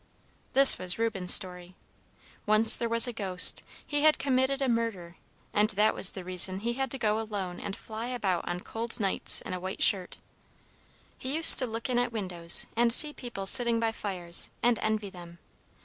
This was Reuben's story: "Once there was a Ghost. He had committed a murder, and that was the reason he had to go alone and fly about on cold nights in a white shirt. "He used to look in at windows and see people sitting by fires, and envy them.